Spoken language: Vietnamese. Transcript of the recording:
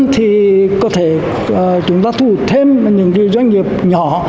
thì có thể chúng ta thu hút thêm những cái doanh nghiệp nhỏ